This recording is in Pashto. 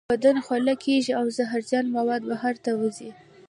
بدن خوله کیږي او زهرجن مواد بهر ته وځي.